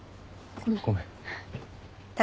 ごめん。